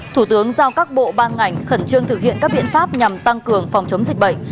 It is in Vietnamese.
thủ tướng giao các bộ ban ngành khẩn trương thực hiện các biện pháp nhằm tăng cường phòng chống dịch bệnh